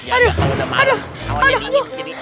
aduh aduh aduh